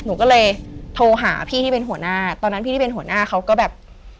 หนูก็เลยโทรหาพี่ที่เป็นหัวหน้าตอนนั้นพี่ที่เป็นหัวหน้าเขาก็แบบ